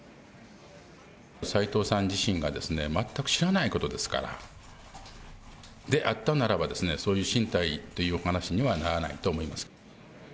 斉藤さん自身が全く知らないことですから、であったならば、そういう進退というお話にはならないと思います。